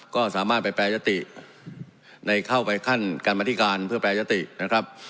ก็สามารถไปแปรยติในเข้าไปขั้นการมาธิการเพื่อแปรยตินะครับ